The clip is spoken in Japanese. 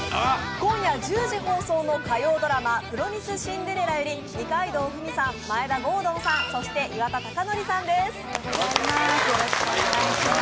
今夜１０時放送の火曜ドラマ「プロミス・シンデレラ」より、二階堂ふみさん、眞栄田郷敦さん、岩田剛典さんです。